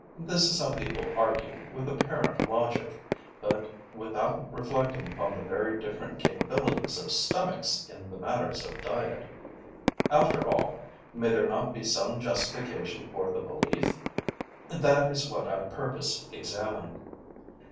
This is how people argue, with apparent logic, but without reflecting upon the very different capabilities of stomachs in the matter of diet. After all, may there not be some justification for the belief? That is what I purpose examining.